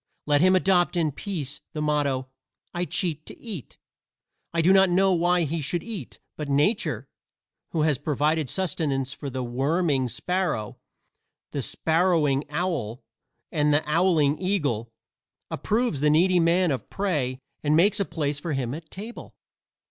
Let him adopt in peace the motto, "I cheat to eat." I do not know why he should eat, but Nature, who has provided sustenance for the worming sparrow, the sparrowing owl and the owling eagle, approves the needy man of prey and makes a place for him at table.